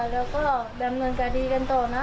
แล้วก็ดำเนินคดีกันต่อนะ